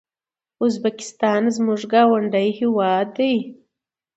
ازبکستان زموږ ګاونډی هيواد ده